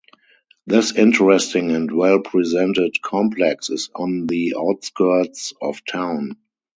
This interesting and well-presented complex is on the outskirts of town.